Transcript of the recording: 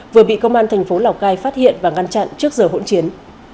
vừa bị công an thành phố lào cai phát hiện và ngăn chặn trước giờ hỗn chiến